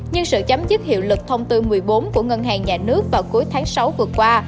nhưng sự chấm dứt hiệu lực thông tư một mươi bốn của ngân hàng nhà nước vào cuối tháng sáu vừa qua